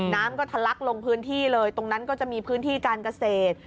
น้ำก็ทะลักลงพื้นที่เลยตรงนั้นก็จะมีพื้นที่การเกษตร